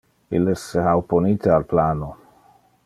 Ille se ha opponite al plano.